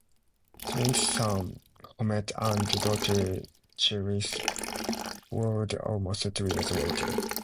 Twins, son Hamnet and daughter Judith, followed almost two years later.